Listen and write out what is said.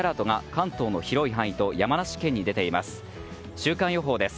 週間予報です。